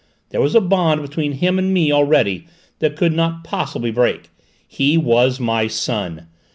there was a bond between him and me already that I could not possibly break: he was my son!